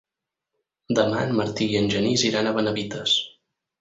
Demà en Martí i en Genís iran a Benavites.